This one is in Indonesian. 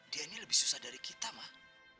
dia ini lebih susah dari kita mah